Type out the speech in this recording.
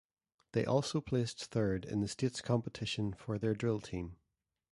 They also placed third in the States competition for their drill team.